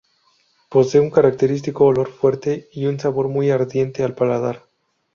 Posee un característico olor fuerte y un sabor muy ardiente al paladar.